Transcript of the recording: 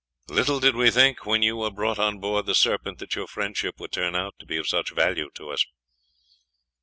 "Little did we think, when you were brought on board the Serpent, that your friendship would turn out of such value to us."